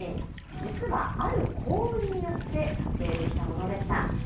実はある幸運によって撮影できたものでした。